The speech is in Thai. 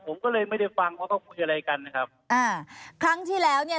ผมก็เลยไม่ได้ฟังว่าเขาคุยอะไรกันนะครับอ่าครั้งที่แล้วเนี่ย